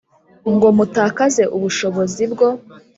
ngo mutakaze ubushobozi bwo